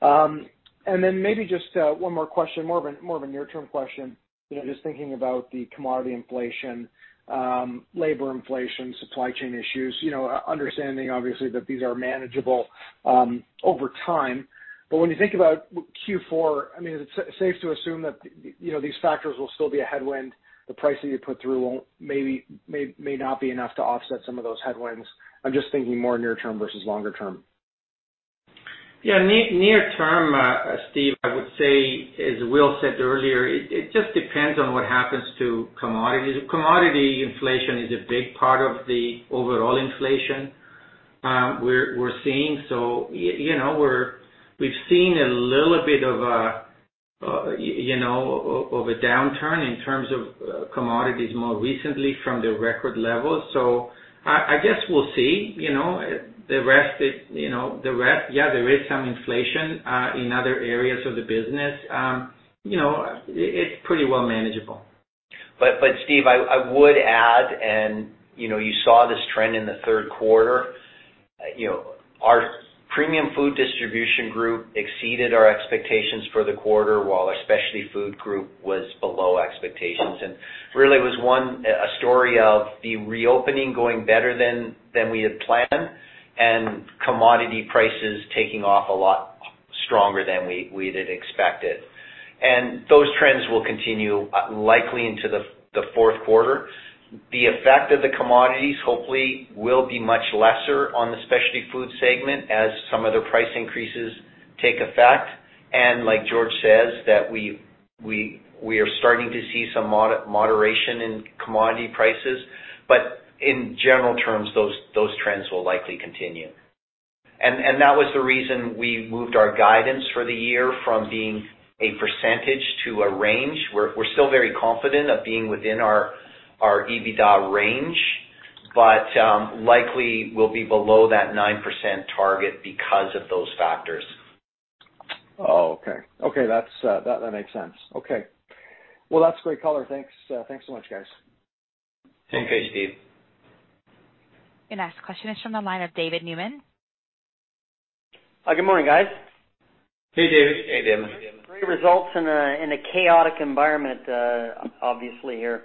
And then maybe just one more question, more of a near-term question. You know, just thinking about the commodity inflation, labor inflation, supply chain issues, you know, understanding obviously that these are manageable over time. When you think about Q4, I mean, is it safe to assume that you know, these factors will still be a headwind? The pricing you put through may not be enough to offset some of those headwinds? I'm just thinking more near-term versus longer-term. Near term, Steve, I would say, as Will said earlier, it just depends on what happens to commodities. Commodity inflation is a big part of the overall inflation we're seeing. You know, we've seen a little bit of a downturn in terms of commodities more recently from the record levels. I guess we'll see, you know. The rest, you know, there is some inflation in other areas of the business. You know, it's pretty well manageable. But, Steve, I would add, you know, you saw this trend in the third quarter, you know, our Premium Food Distribution exceeded our expectations for the quarter, while our Specialty Foods Group was below expectations. Really it was a story of the reopening going better than we had planned and commodity prices taking off a lot stronger than we had expected. And those trends will continue likely into the fourth quarter. The effect of the commodities hopefully will be much lesser on the Specialty Foods segment as some of their price increases take effect. And like George says, we are starting to see some moderation in commodity prices. In general terms, those trends will likely continue. That was the reason we moved our guidance for the year from being a percentage to a range. We're still very confident of being within our EBITDA range, but likely we'll be below that 9% target because of those factors. Okay. That makes sense. Well, that's great color. Thanks so much, guys. Thanks, Steve. The next question is from the line of David Newman. Good morning, guys. Hey, David. Hey, David. Great results in a chaotic environment, obviously here.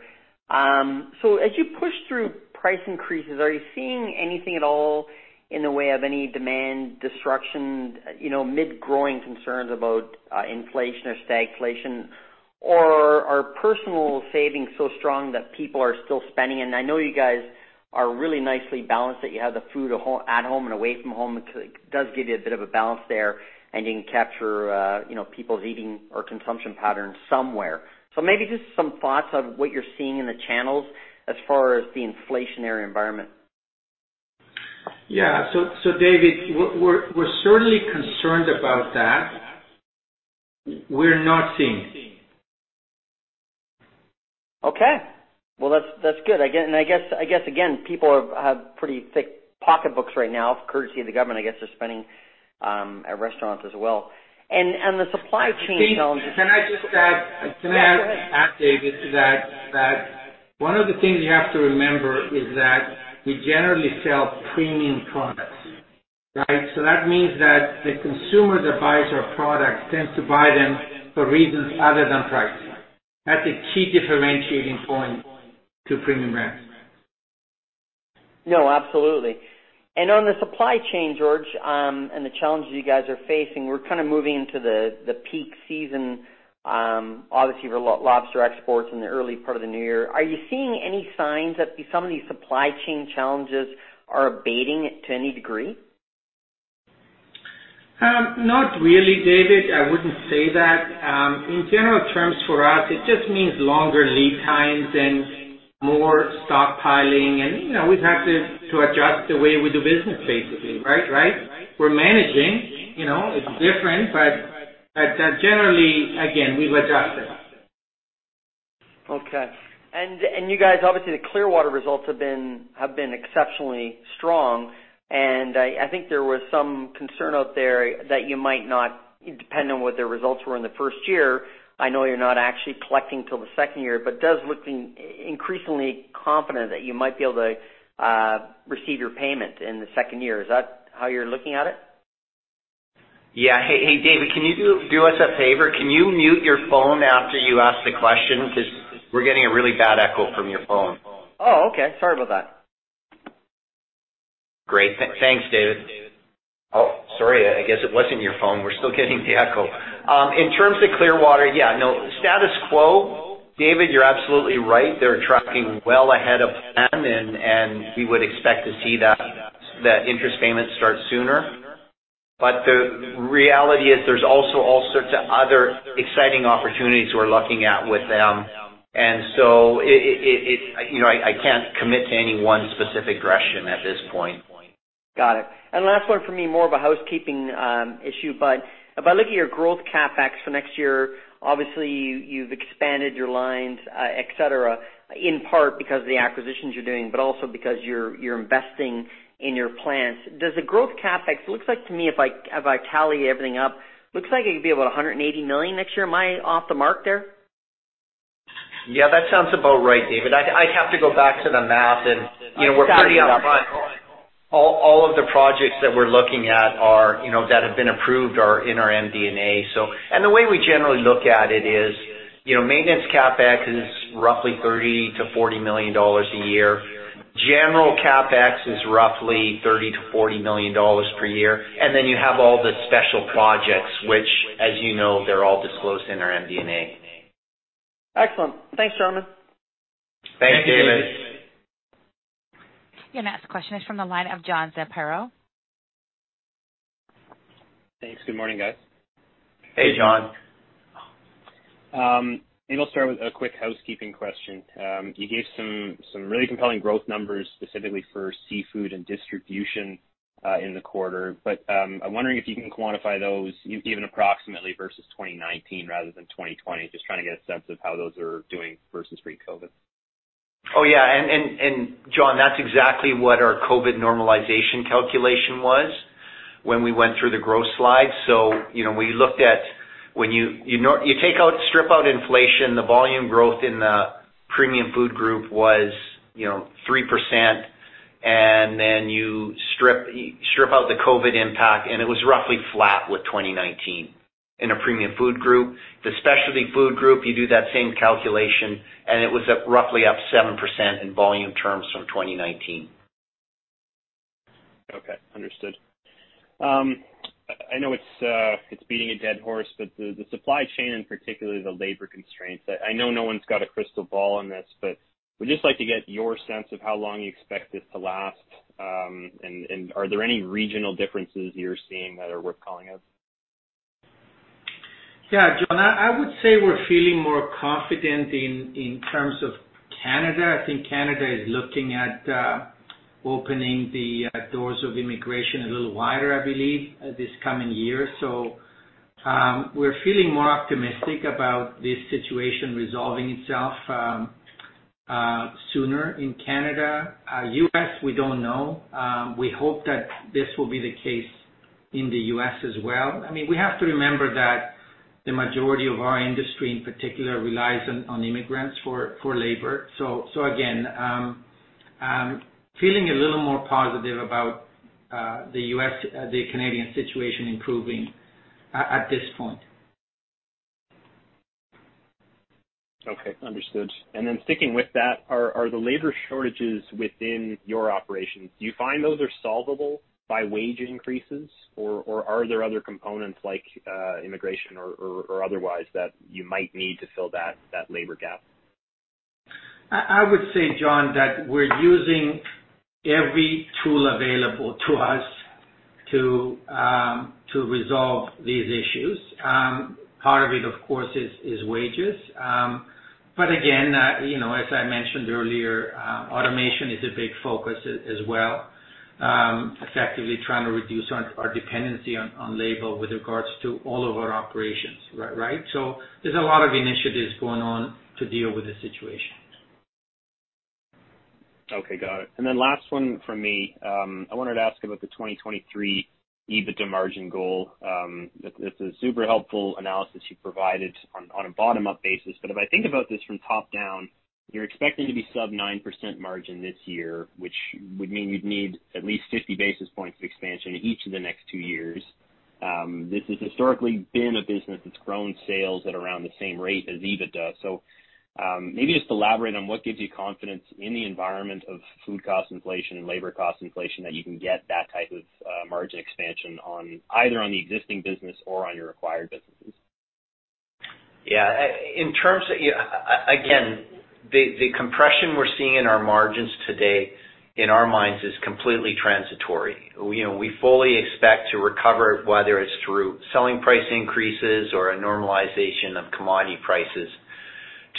As you push through price increases, are you seeing anything at all in the way of any demand destruction, you know, amid growing concerns about inflation or stagflation? Or are personal savings so strong that people are still spending? I know you guys are really nicely balanced, that you have the food at home and away from home. It does give you a bit of a balance there, and you can capture, you know, people's eating or consumption patterns somewhere. Maybe just some thoughts on what you're seeing in the channels as far as the inflationary environment. Yeah. David, we're certainly concerned about that. We're not seeing it. Okay. Well, that's good. I guess again, people have pretty thick pocketbooks right now, courtesy of the government. I guess they're spending at restaurants as well, and the supply chain challenges. Can I just add, David, to that? One of the things you have to remember is that we generally sell premium products, right? So that means that the consumers that buy our products tends to buy them for reasons other than pricing. That's a key differentiating point to Premium Brands. No, absolutely. And on the supply chain, George, and the challenges you guys are facing, we're kind of moving into the peak season, obviously for lobster exports in the early part of the new year. Are you seeing any signs that some of these supply chain challenges are abating to any degree? Not really, David. I wouldn't say that. In general terms for us, it just means longer lead times and more stockpiling and, you know, we've had to adjust the way we do business basically, right? We're managing, you know, it's different, but generally, again, we've adjusted. Okay. And you guys, obviously the Clearwater results have been exceptionally strong, and I think there was some concern out there that you might not, depending on what their results were in the first year. I know you're not actually collecting till the second year, but it looks increasingly confident that you might be able to receive your payment in the second year. Is that how you're looking at it? Yeah. Hey, David, can you do us a favor? Can you mute your phone after you ask the question? Because we're getting a really bad echo from your phone. Oh, okay. Sorry about that. Great. Thanks, David. Oh, sorry, I guess it wasn't your phone. We're still getting the echo. In terms of Clearwater, yeah, no, status quo. David, you're absolutely right. They're tracking well ahead of plan, and we would expect to see that interest payment start sooner. But the reality is there's also all sorts of other exciting opportunities we're looking at with them. And so it, you know, I can't commit to any one specific direction at this point. Got it. Last one for me, more of a housekeeping issue. If I look at your growth CapEx for next year, obviously you've expanded your lines, et cetera, in part because of the acquisitions you're doing, but also because you're investing in your plants. Does the growth CapEx, it looks like to me if I tally everything up, it could be about 180 million next year? Am I off the mark there? Yeah, that sounds about right, David. I'd have to go back to the math and, you know, we're pretty upfront. All of the projects that we're looking at are, you know, that have been approved are in our MD&A. The way we generally look at it is, you know, maintenance CapEx is roughly 30 million-40 million dollars a year. General CapEx is roughly 30 million-40 million dollars per year. And then you have all the special projects, which, as you know, they're all disclosed in our MD&A. Excellent. Thanks, George. Thanks, David. Your next question is from the line of John Zamparo. Thanks. Good morning, guys. Hey, John. Maybe I'll start with a quick housekeeping question. You gave some really compelling growth numbers, specifically for seafood and distribution, in the quarter. I'm wondering if you can quantify those even approximately versus 2019 rather than 2020. Just trying to get a sense of how those are doing versus pre-COVID. Oh, yeah. John, that's exactly what our COVID normalization calculation was when we went through the growth slide. You know, we looked at when you normalize. You take out, strip out inflation, the volume growth in the Premium Food Group was, you know, 3%, and then you strip out the COVID impact, and it was roughly flat with 2019 in a Premium Food Group. The Specialty Food Group, you do that same calculation, and it was roughly up 7% in volume terms from 2019. Okay. Understood. I know it's beating a dead horse, but the supply chain and particularly the labor constraints, I know no one's got a crystal ball on this, but we'd just like to get your sense of how long you expect this to last. Are there any regional differences you're seeing that are worth calling out? Yeah, John, I would say we're feeling more confident in terms of Canada. I think Canada is looking at opening the doors of immigration a little wider, I believe, this coming year. We're feeling more optimistic about this situation resolving itself sooner in Canada. U.S., we don't know. We hope that this will be the case in the U.S. as well. I mean, we have to remember that the majority of our industry in particular relies on immigrants for labor. So again, feeling a little more positive about the U.S., the Canadian situation improving at this point. Okay. Understood. Then sticking with that, are the labor shortages within your operations? Do you find those are solvable by wage increases or are there other components like immigration or otherwise that you might need to fill that labor gap? I would say, John, that we're using every tool available to us to resolve these issues. Part of it, of course, is wages. Again, you know, as I mentioned earlier, automation is a big focus as well, effectively trying to reduce our dependency on labor with regards to all of our operations. Right? There's a lot of initiatives going on to deal with this situation. Okay. Got it. Last one from me. I wanted to ask about the 2023 EBITDA margin goal. It's a super helpful analysis you've provided on a bottom-up basis. If I think about this from top-down, you're expecting to be sub 9% margin this year, which would mean you'd need at least 50 basis points of expansion in each of the next two years. This has historically been a business that's grown sales at around the same rate as EBITDA. So maybe just elaborate on what gives you confidence in the environment of food cost inflation and labor cost inflation that you can get that type of margin expansion on either on the existing business or on your acquired businesses. Yeah. In terms of you know, again, the compression we're seeing in our margins today, in our minds, is completely transitory. You know, we fully expect to recover, whether it's through selling price increases or a normalization of commodity prices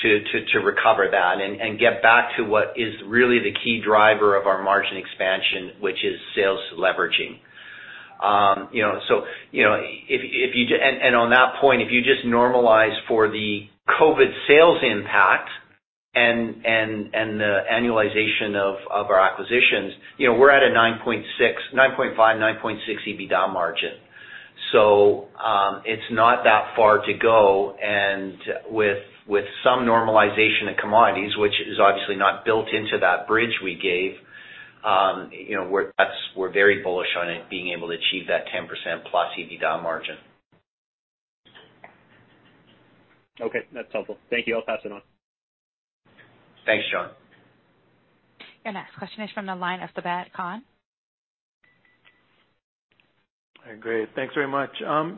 to recover that and get back to what is really the key driver of our margin expansion, which is sales leveraging. You know, so you know, on that point, if you just normalize for the COVID sales impact and the annualization of our acquisitions, you know, we're at a 9.5%-9.6% EBITDA margin. It's not that far to go. And with some normalization in commodities, which is obviously not built into that bridge we gave, you know, we're very bullish on it being able to achieve that +10% EBITDA margin. Okay. That's helpful. Thank you. I'll pass it on. Thanks, John. Your next question is from the line of Sabahat Khan. Great. Thanks very much.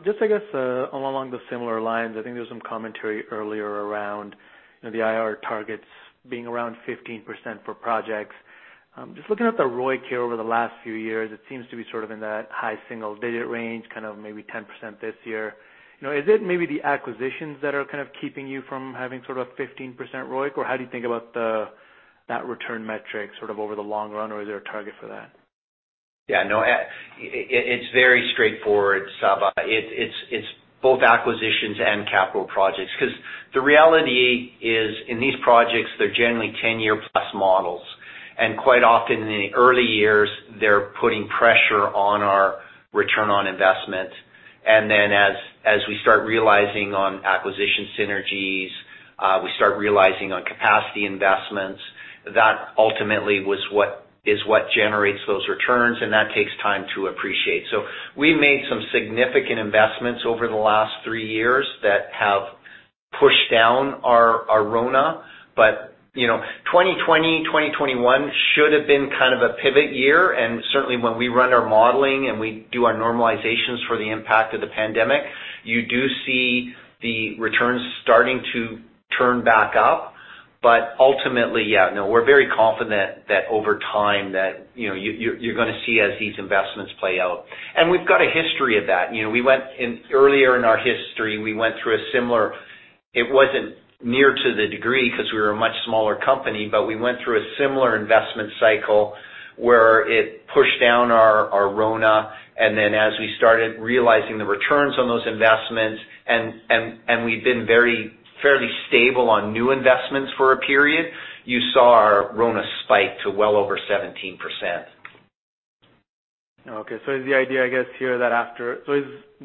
Just I guess, along similar lines, I think there was some commentary earlier around, you know, the IR targets being around 15% for projects. Just looking at the ROIC here over the last few years, it seems to be sort of in that high single digit range, kind of maybe 10% this year. You know, is it maybe the acquisitions that are kind of keeping you from having sort of 15% ROIC, or how do you think about the, that return metric sort of over the long run or is there a target for that? Yeah, no. It's very straightforward, Sabah. It's both acquisitions and capital projects. 'Cause the reality is, in these projects, they're generally 10-year plus models. Quite often in the early years, they're putting pressure on our return on investment. And then as we start realizing on acquisition synergies, we start realizing on capacity investments, that ultimately is what generates those returns, and that takes time to appreciate. We've made some significant investments over the last three years that have pushed down our RONA. You know, 2020, 2021 should have been kind of a pivot year, and certainly when we run our modeling and we do our normalizations for the impact of the pandemic, you do see the returns starting to turn back up. But ultimately, yeah, no, we're very confident that over time that, you know, you're gonna see as these investments play out. And we've got a history of that. You know, earlier in our history, we went through a similar investment cycle. It wasn't near to the degree 'cause we were a much smaller company, but we went through a similar investment cycle where it pushed down our RONA. And then as we started realizing the returns on those investments and we've been very fairly stable on new investments for a period, you saw our RONA spike to well over 17%. Okay. Is the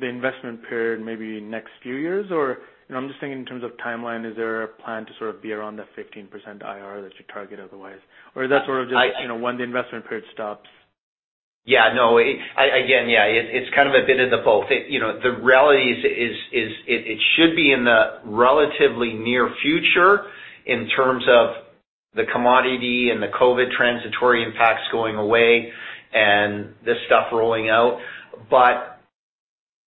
investment period maybe next few years? You know, I'm just thinking in terms of timeline, is there a plan to sort of be around the 15% IRR that you target otherwise? Is that sort of just, you know, when the investment period stops? Yeah, no. Again, yeah, it's kind of a bit of both. You know, the reality is, it should be in the relatively near future in terms of the commodity and the COVID transitory impacts going away and this stuff rolling out.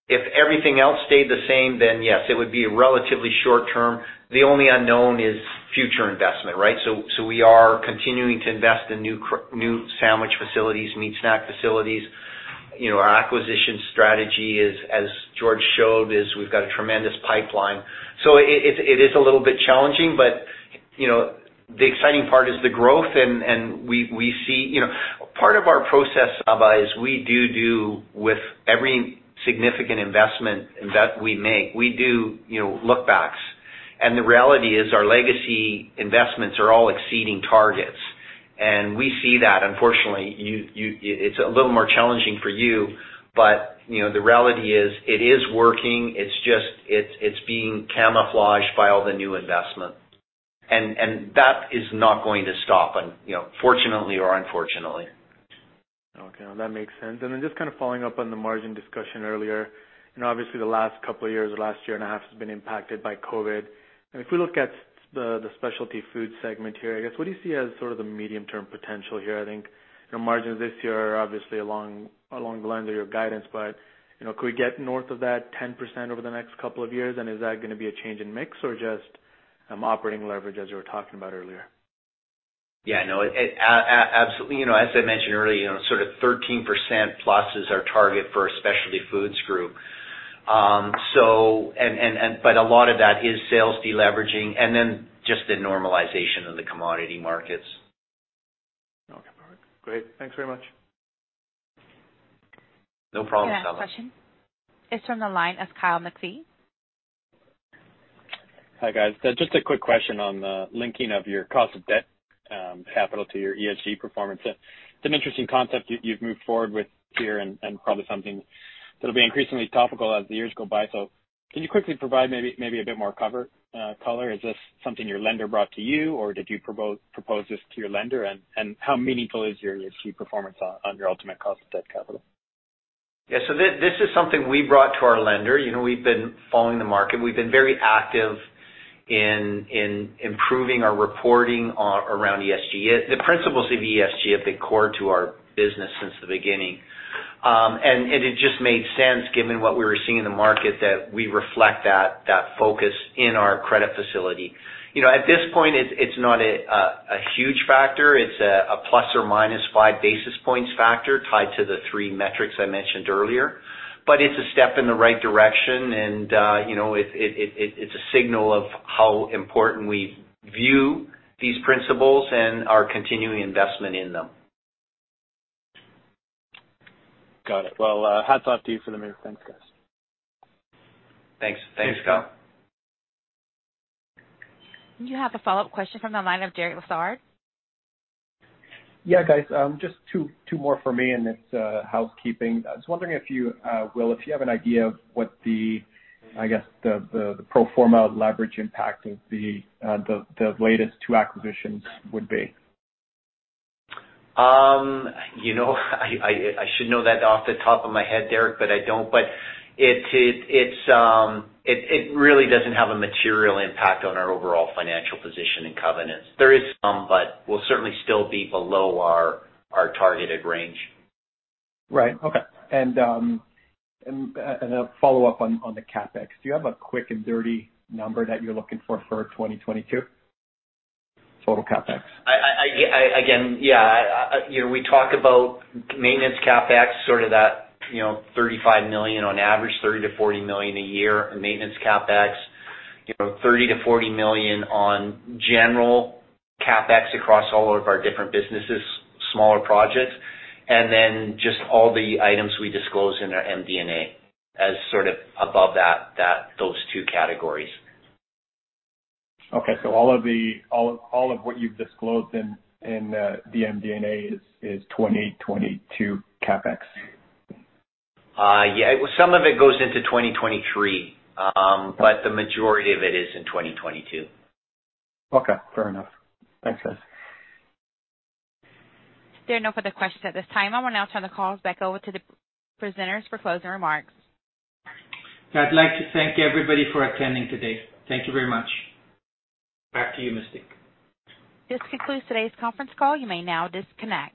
If everything else stayed the same, then yes, it would be a relatively short term. The only unknown is future investment, right? So we are continuing to invest in new sandwich facilities, meat snack facilities. You know, our acquisition strategy is, as George showed, we've got a tremendous pipeline. So it is a little bit challenging, but, you know, the exciting part is the growth and we see. You know, part of our process, Sabah, is we do with every significant investment that we make, we do, you know, look-backs. The reality is our legacy investments are all exceeding targets. We see that. Unfortunately, you, it's a little more challenging for you. You know, the reality is, it is working. It's just, it's being camouflaged by all the new investment. That is not going to stop, you know, fortunately or unfortunately. Okay. Well, that makes sense. Then just kind of following up on the margin discussion earlier. You know, obviously the last couple of years or last year and a half has been impacted by COVID. If we look at the specialty food segment here, I guess, what do you see as sort of the medium-term potential here? I think, you know, margins this year are obviously along the lines of your guidance, but, you know, could we get north of that 10% over the next couple of years? Is that gonna be a change in mix or just operating leverage as you were talking about earlier? Yeah, no. Absolutely. You know, as I mentioned earlier, you know, sort of +13% is our target for our Specialty Foods Group. A lot of that is sales deleveraging and then just the normalization of the commodity markets. Okay. All right. Great. Thanks very much. No problem, Sabahat. Your next question is from the line of Kyle McPhee. Hi, guys. Just a quick question on the linking of your cost of debt capital to your ESG performance. It's an interesting concept you've moved forward with here and probably something that'll be increasingly topical as the years go by. Can you quickly provide maybe a bit more color? Is this something your lender brought to you, or did you propose this to your lender? How meaningful is your ESG performance on your ultimate cost of debt capital? This is something we brought to our lender. You know, we've been following the market. We've been very active in improving our reporting around ESG. The principles of ESG have been core to our business since the beginning. And it just made sense given what we were seeing in the market that we reflect that focus in our credit facility. You know, at this point, it's not a huge factor. It's a ±5 basis points factor tied to the three metrics I mentioned earlier. But it's a step in the right direction, and you know, it's a signal of how important we view these principles and our continuing investment in them. Got it. Well, hats off to you for the move. Thanks, guys. Thanks. Thanks, Kyle. You have a follow-up question from the line of Derek Lessard. Yeah, guys, just two more for me, and it's housekeeping. I was wondering if you, Will, have an idea of what, I guess, the pro forma leverage impact of the latest two acquisitions would be. You know, I should know that off the top of my head, Derek, but I don't. It really doesn't have a material impact on our overall financial position and covenants. There is some, but we'll certainly still be below our targeted range. Right. Okay, a follow-up on the CapEx. Do you have a quick and dirty number that you're looking for for 2022? Total CapEx. You know, we talk about maintenance CapEx, sort of that, you know, 35 million on average, 30 million-40 million a year in maintenance CapEx. You know, 30 million-40 million on general CapEx across all of our different businesses, smaller projects. Just all the items we disclose in our MD&A as sort of above that, those two categories. Okay. All of what you've disclosed in the MD&A is 2022 CapEx. Yeah. Some of it goes into 2023. But the majority of it is in 2022. Okay, fair enough. Thanks, guys. There are no further questions at this time. I will now turn the call back over to the presenters for closing remarks. I'd like to thank everybody for attending today. Thank you very much. Back to you, Misty. This concludes today's conference call. You may now disconnect.